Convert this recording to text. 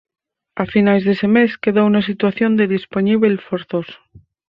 A finais dese mes quedou na situación de dispoñíbel forzoso.